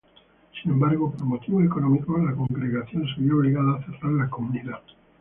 Sin embargo, por motivos económicos, la congregación se vio obligada a cerrar la comunidad.